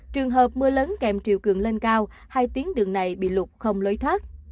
trường hợp mưa lớn kèm triều cường lên cao hai tiếng đường này bị lụt không lối thoát